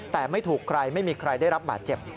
แต่ไม่ถูกใครไม่มีใครได้รับบาดเจ็บ